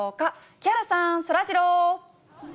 木原さん、そらジロー。